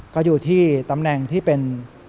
ก็อยู่ที่ตำแหน่งที่เป็น